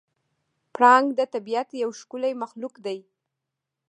پړانګ د طبیعت یو ښکلی مخلوق دی.